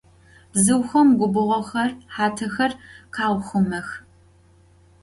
Bzıuxem gubğoxer, xatexer khauxhumex.